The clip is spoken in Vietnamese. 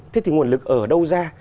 thế thì nguồn lực ở đâu ra